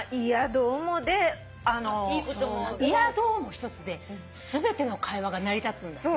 ひとつで全ての会話が成り立つんだって。